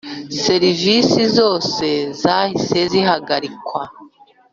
serivisi zose zahise zihagarikwa